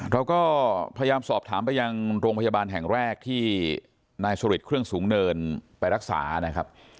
เราก็พยายามสอบถามไปยังโรงพยาบาลแห่งแรกที่นายสุริทเครื่องสูงเนินไปรักษานะครับ